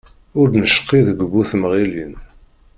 Ur d-necqi deg bu-temɣilin.